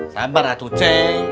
sabar atuh ceh